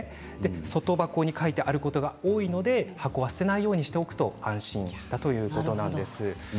外箱に書いてあることが多いので箱を捨てないようにしておくと安心だということなんです。